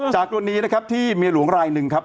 กรณีนะครับที่เมียหลวงรายหนึ่งครับ